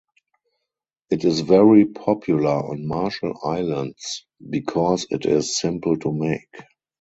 It is very popular on Marshall Islands because it is simple to make.